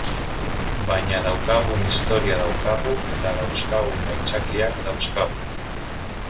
Baina daukagun historia daukagu, eta dauzkagun aitzakiak dauzkagu.